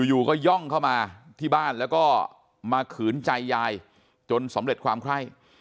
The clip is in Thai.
อยู่ก็ย่องเข้ามาที่บ้านแล้วก็มาขืนใจยายจนสำเร็จความไข้